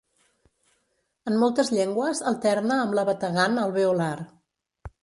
En moltes llengües alterna amb la bategant alveolar.